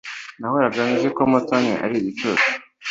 Nahoraga nzi ko Mutoni ari igicucu.